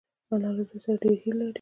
انا له زوی سره ډېرې هیلې لري